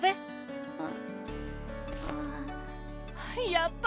やった！